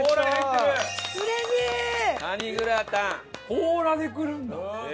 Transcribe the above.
甲羅で来るんだ。